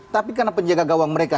tapi karena penjaga gawang mereka